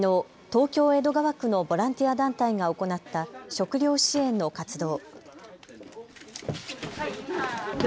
東京江戸川区のボランティア団体が行った食料支援の活動。